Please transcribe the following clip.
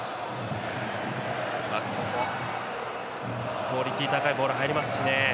クオリティーの高いボールが入りますしね。